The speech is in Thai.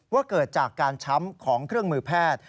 ว่าเกิดจากการช้ำของเครื่องมือแพทย์